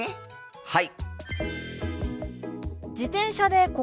はい！